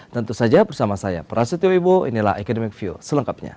tentu saja bersama saya prasetyo wibowo inilah academic view selengkapnya